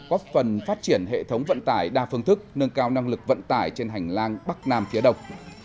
góp phần phát triển hệ thống vận tải đa phương thức nâng cao năng lực vận tải trên hành lang bắc nam phía đông